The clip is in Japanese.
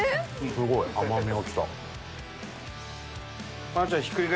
すごい。甘みがきた。